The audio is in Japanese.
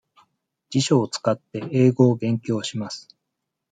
辞書を使って、英語を勉強します。